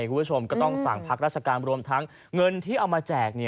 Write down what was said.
คุณผู้ชมก็ต้องสั่งพักราชการรวมทั้งเงินที่เอามาแจก